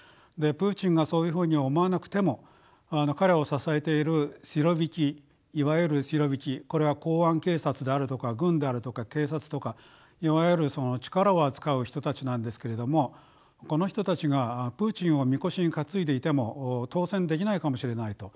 プーチンがそういうふうに思わなくても彼を支えているシロヴィキいわゆるシロビキこれは公安警察であるとか軍であるとか警察とかいわゆる力を扱う人たちなんですけれどもこの人たちがプーチンをみこしに担いでいても当選できないかもしれないと。